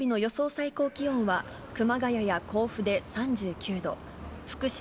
最高気温は、熊谷や甲府で３９度、福島、